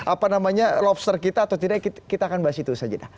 apa namanya lobster kita atau tidak kita akan bahas itu saja